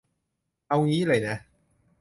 เอางี้เลยนะ